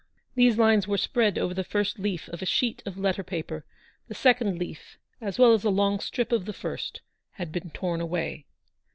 These lines were spread over the first leaf of a sheet of letter paper ; the second leaf, as well as a long strip of the first, had been torn away.